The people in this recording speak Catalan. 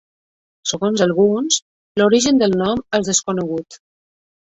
Segons alguns, l'origen del nom és desconegut.